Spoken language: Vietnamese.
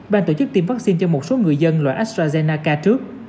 bàn tổ chức tiêm vaccine cho một số người dân loại astrazeneca trước